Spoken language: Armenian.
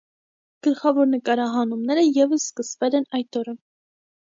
Գլխավոր նկարահանումները ևս սկսվել են այդ օրը։